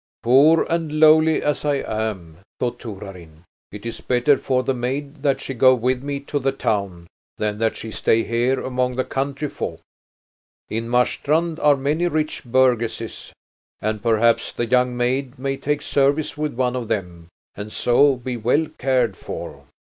"Poor and lowly as I am," thought Torarin, "it is better for the maid that she go with me to the town than that she stay here among the country folk. In Marstrand are many rich burgesses, and perhaps the young maid may take service with one of them and so be well cared for."